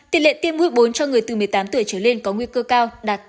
tỷ lệ tiêm mũi bốn cho người từ một mươi tám tuổi trở lên có nguy cơ cao đạt tám mươi chín sáu